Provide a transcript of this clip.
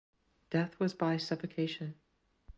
Death was by suffocation.